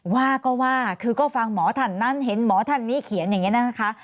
ว่าก็ว่าคือก็ฟังหมอท่านนั้นเห็นหมอท่านนี้เขียนอย่างนี้นะคะ